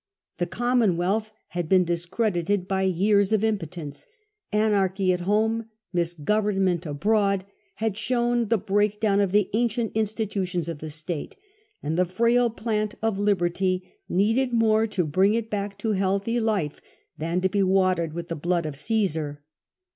The Commonwealth had been tothebatS:^ discredited by years of impotence ; anarchy Actmm. at home, misgovernment abroad had shown the break down of the ancient institutions of the state, and the frail plant of liberty needed more to bring it back to healthy life than to be watered with the blood of Caesar.